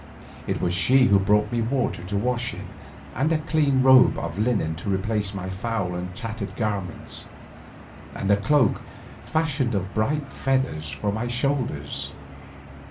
It was she who brought me water to wash in, and a clean robe of linen to replace my foul and tattered garments, and a cloak fashioned of bright feathers for my shoulders.